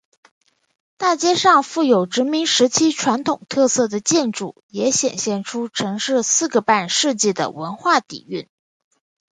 大街上富有殖民时期传统特色的建筑也显现出城市四个半世纪的文化底蕴。